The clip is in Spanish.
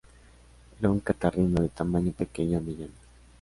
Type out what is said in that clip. Era un catarrino de tamaño pequeño a mediano.